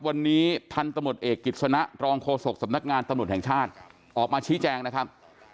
วันนี้พันธมตเอกกิจสนะรองโฆษกสำนักงานตำรวจแห่งชาติออกมาชี้แจงนะครับ